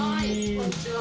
こんにちは。